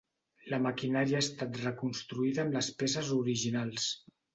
La maquinària ha estat reconstruïda amb les peces originals.